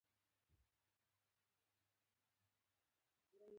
جین شارپ سیاسي لیدلوری وړاندې کوي.